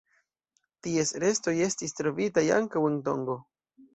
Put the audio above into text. Ties restoj estis trovitaj ankaŭ en Tongo.